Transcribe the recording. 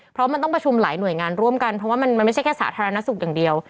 เพราะมันต้องประชุมหลายหน่วยงานร่วมกันเพราะว่ามันไม่ใช่แค่สาธารณสุขอย่างเดียว